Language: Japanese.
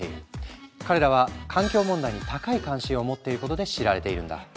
彼らは環境問題に高い関心を持っていることで知られているんだ。